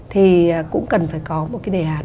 thì cũng cần phải có một cái đề án